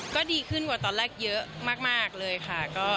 ก็ดีขึ้นกว่าตอนแรกเยอะมากเลยค่ะ